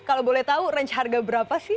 kalau boleh tahu range harga berapa sih